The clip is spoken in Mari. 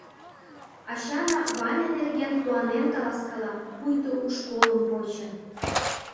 — Ачана Ваня нерген куанен каласкала, пуйто у школым почын.